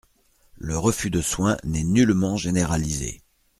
Le refus de soins n’est nullement généralisé.